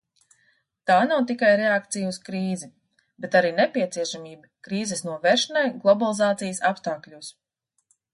Tā nav tikai reakcija uz krīzi, bet arī nepieciešamība krīzes novēršanai globalizācijas apstākļos.